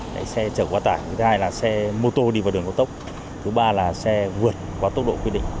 để xe chở quá tải thứ hai là xe mô tô đi vào đường cao tốc thứ ba là xe vượt qua tốc độ quy định